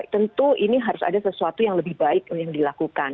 tentu ini harus ada sesuatu yang lebih baik yang dilakukan